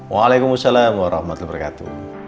waalaikumsalam warahmatullahi wabarakatuh